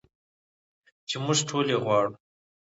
چې موږ ټول یې غواړو.